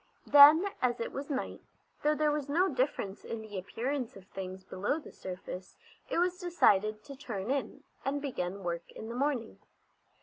Then, as it was night, though there was no difference in the appearance of things below the surface, it was decided to turn in, and begin work in the morning.